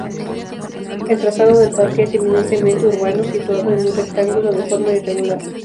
El trazado del parque es eminentemente urbano, situado en un rectángulo de forma irregular.